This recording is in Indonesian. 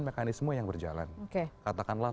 mekanisme yang berjalan katakanlah